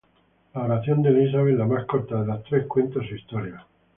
La oración de Elizabeth, la más corta de las tres, cuenta su historia.